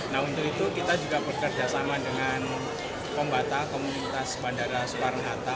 nah untuk itu kita juga bekerjasama dengan pembata komunitas bandara soekarno hatta